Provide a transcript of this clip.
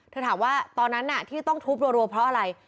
ถามว่าตอนนั้นที่ต้องทุบรัวเพราะอะไร